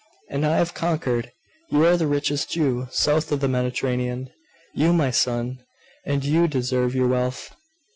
And I have conquered! You are the richest Jew south of the Mediterranean, you, my son! And you deserve your wealth.